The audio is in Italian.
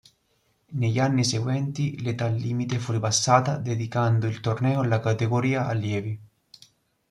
Negli anni seguenti l'età limite fu ribassata, dedicando il torneo alla categoria Allievi.